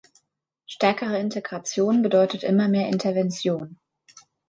Stärkere Integration bedeutet immer mehr Intervention.